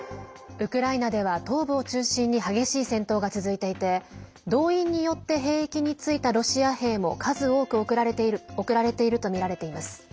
ウクライナでは東部を中心に激しい戦闘が続いていて動員によって兵役に就いたロシア兵も数多く送られているとみられています。